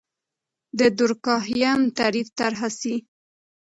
د دورکهايم تعریف طرحه سي.